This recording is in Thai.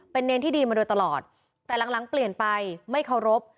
เป็นเนรที่ดีมาโดยตลอดแต่หลังหลังเปลี่ยนไปไม่เคารพ